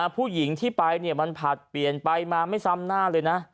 ผู้หญิงที่ไปมันผลัดเปลี่ยนไปมาไม่ซ้ำหน้าเลยนะ